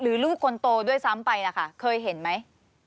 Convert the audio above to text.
ลูกคนโตด้วยซ้ำไปนะคะเคยเห็นไหม